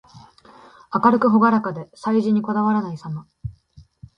明るくほがらかで、細事にこだわらないさま。